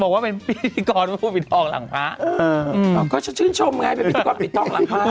บอกว่าเป็นพิธีกรผู้ปิดทองหลังพระเออก็ฉันชื่นชมไงเป็นพิธีกรปิดทองหลังพระ